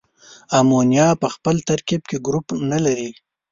امونیا په خپل ترکیب کې ګروپ نلري.